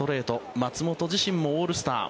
松本自身もオールスター